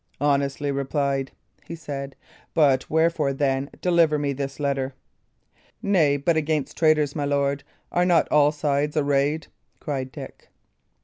"Honestly replied," he said. "But wherefore, then, deliver me this letter?" "Nay, but against traitors, my lord, are not all sides arrayed?" cried Dick.